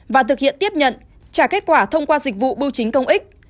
và thực hiện tiếp nhận trả kết quả thông qua dịch vụ bưu chính công ích